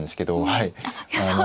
はい。